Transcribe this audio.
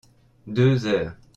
Deux heures.